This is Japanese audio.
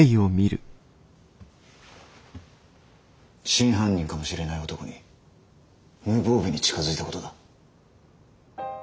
真犯人かもしれない男に無防備に近づいたことだ。